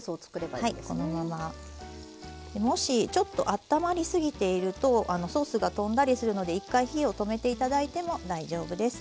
でもしちょっとあったまりすぎているとソースがとんだりするので１回火を止めて頂いても大丈夫です。